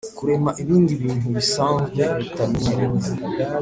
kurema ibindi bintu bisanzwe bitamenyerewe